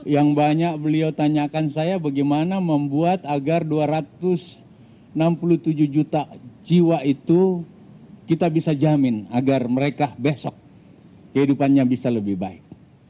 yang banyak beliau tanyakan saya bagaimana membuat agar dua ratus enam puluh tujuh juta jiwa itu kita bisa jamin agar mereka besok kehidupannya bisa lebih baik